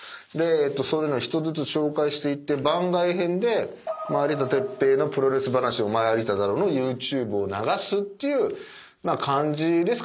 そういうの１つずつ紹介していって番外編で『有田哲平のプロレス噺オマエ有田だろ‼』の ＹｏｕＴｕｂｅ を流すっていう感じですかね。